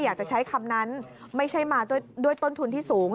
อยากจะใช้คำนั้นไม่ใช่มาด้วยต้นทุนที่สูง